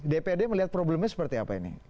dpd melihat problemnya seperti apa ini